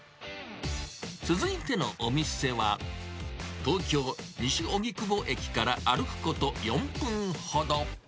続いてのお店は、東京・西荻窪駅から歩くこと４分ほど。